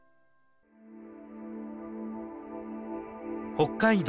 北海道